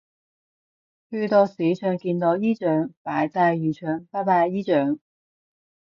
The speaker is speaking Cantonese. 去到市場見到姨丈擺低魚腸拜拜姨丈